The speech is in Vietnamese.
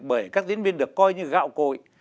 bởi các diễn viên được coi như gạo cội